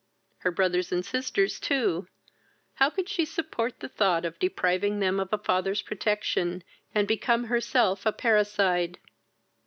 Her brothers and sisters too! how could she support the thought of depriving them of a father's protection, and become herself a parricide!